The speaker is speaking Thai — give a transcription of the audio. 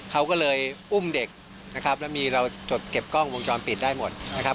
เขาก็เลยอุ้มเด็กนะครับแล้วมีเราจดเก็บกล้องวงจรปิดได้หมดนะครับ